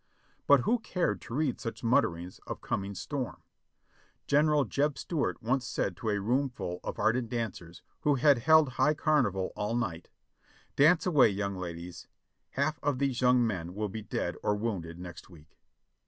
But who cared to read such mutterings of coming storm? General Jeb Stuart once said to a roomful of ardent dancers who had held high carnival all night : "Dance away, young ladies; half of these young men will be dead or wounded next week."